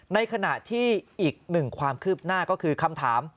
ในขณะที่อีกหนึ่งความคืบหน้าก็คือคำถาม